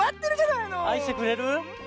あいしてくれる？